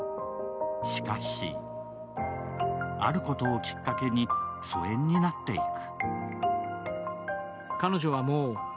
しかしあることをきっかけに疎遠になっていく。